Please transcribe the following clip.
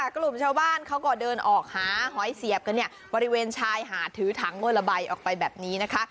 กลุ่มชาวบ้านเขาก็เดินออกหาหอยเสียบกันเนี่ยบริเวณชายหาดถือถังงวดละใบออกไปแบบนี้นะคะ